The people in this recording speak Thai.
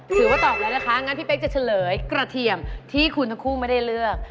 ตอบแล้วนะคะงั้นพี่เป๊กจะเฉลยกระเทียมที่คุณทั้งคู่ไม่ได้เลือก